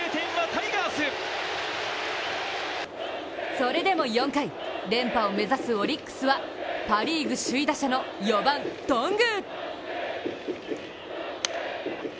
それでも４回、連覇を目指すオリックスはパ・リーグ首位打者の４番・頓宮。